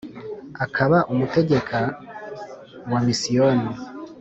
akaba umutegeka wa misiyoni